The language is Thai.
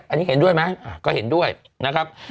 อันนี้เห็นด้วยไหมก็เห็นด้วยนะครับ